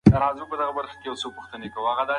کوربه مېلمنو ته د دارو شه ناره وکړه.